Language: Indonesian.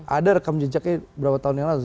ada rekam jejaknya berapa tahun yang lalu